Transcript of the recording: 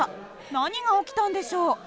何が起きたんでしょう？